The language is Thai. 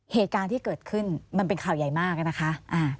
เหตุการณ์ที่เกิดขึ้นมันเป็นข่าวใหญ่มากนะคะ